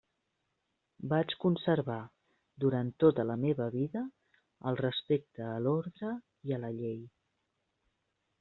Vaig conservar durant tota la meva vida el respecte a l'ordre i la llei.